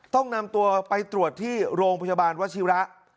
ต้องนำตัวไปตรวจที่โรงพยาบาลวชิระ